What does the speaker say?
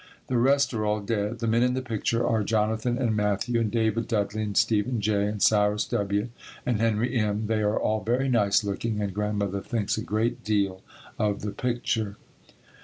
The rest are all dead. The men in the picture are Jonathan and Matthew and David Dudley and Stephen J. and Cyrus W. and Henry M. They are all very nice looking and Grandmother thinks a great deal of the picture.